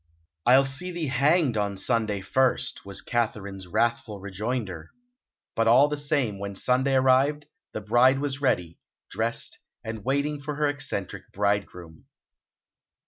"I'll see thee hanged on Sunday first," was Katharine's wrathful rejoinder; but, all the same, when Sunday arrived the bride was ready, dressed, and waiting for her eccentric bridegroom.